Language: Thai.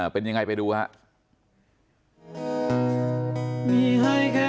เป็นยังไงไปดูนะฮะ